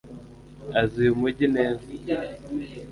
Azi uyu mujyi neza